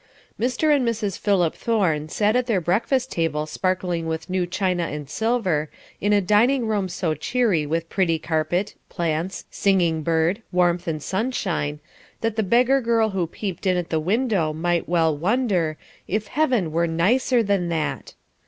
Mr. and Mrs. Philip Thorne sat at their breakfast table sparkling with new china and silver, in a dining room so cheery with pretty carpet, plants, singing bird, warmth and sunshine, that the beggar girl who peeped in at the window might well wonder "if heaven were nicer than that."